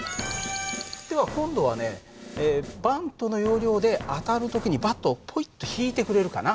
では今度はねバントの要領で当たる時にバットをポイッと引いてくれるかな。